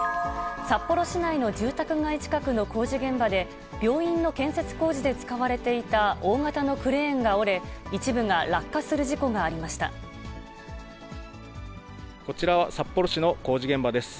札幌市内の住宅街近くの工事現場で、病院の建設工事で使われていた大型のクレーンが折れ、一部が落下こちらは札幌市の工事現場です。